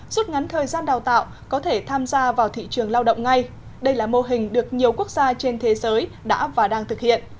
rút ngắn thời gian đào tạo có thể tham gia vào thị trường lao động ngay đây là mô hình được nhiều quốc gia trên thế giới đã và đang thực hiện